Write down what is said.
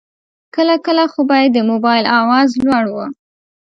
کله کله خو به یې د موبایل آواز لوړ و.